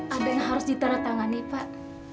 ada yang harus ditaruh tangan nih pak